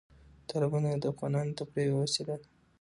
تالابونه د افغانانو د تفریح یوه وسیله ده.